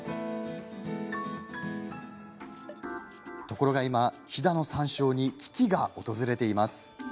ところが今、飛騨の山椒に危機が訪れています。